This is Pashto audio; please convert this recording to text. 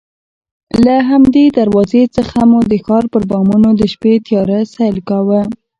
له همدې دروازې څخه مو د ښار پر بامونو د شپې تیاره سیل کاوه.